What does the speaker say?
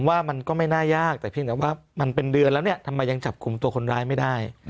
ว่ามันก็ไม่น่ายากแต่เพียงแต่ว่ามันเป็นเดือนแล้วเนี่ยทำไมยังจับกลุ่มตัวคนร้ายไม่ได้